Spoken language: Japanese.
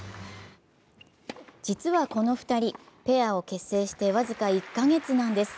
実はこの２人、ペアを結成して僅か１カ月なんです。